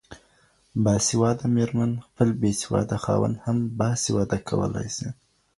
باسواده ميرمن خپل بيسواده خاوند هم باسواده کولای سي